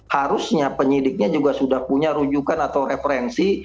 harusnya penyidiknya juga sudah punya rujukan atau referensi